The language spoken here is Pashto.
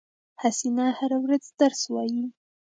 حسینه هره ورځ درس وایی